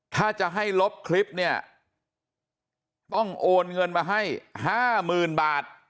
ถ้าจะให้ลบคลิปเนี่ยต้องโอนเงินมาให้๕๐๐๐บาท